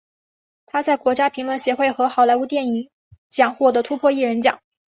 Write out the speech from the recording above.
他在国家评论协会和好莱坞电影奖赢得突破艺人奖。